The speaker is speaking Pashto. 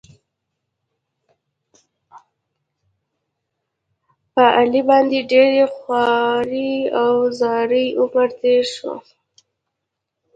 په علي باندې ډېر خوار او زار عمر تېر شو.